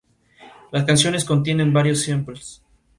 Las canciones contienen varios samples.